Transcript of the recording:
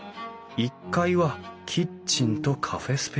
１階はキッチンとカフェスペース。